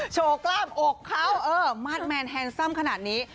โชว์กล้ามอกเขามาสแมนแฮนซ่อมขนาดนี้